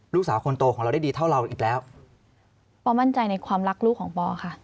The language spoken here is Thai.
ลูกสาวคนโตของเราได้ดีเท่าเราอีกแล้วปอมั่นใจในความรักลูกของปอค่ะ